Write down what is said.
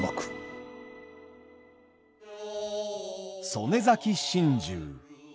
「曾根崎心中」。